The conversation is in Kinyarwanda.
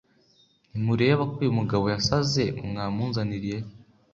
ntimureba ko uyu mugabo yasaze mwamunzaniriye